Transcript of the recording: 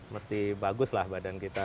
mesti baguslah badan kita